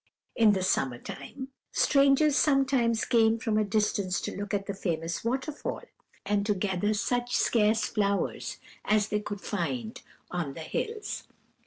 "In the summer time strangers sometimes came from a distance to look at the famous waterfall, and to gather such scarce flowers as they could find on the hills.